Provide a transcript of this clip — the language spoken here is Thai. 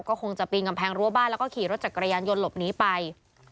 ก็คงจะปีนกำแพงรั้วบ้านแล้วก็ขี่รถจักรยานยนต์หลบหนีไป